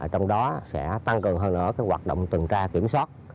trong đó sẽ tăng cường hơn nữa hoạt động tuần tra kiểm soát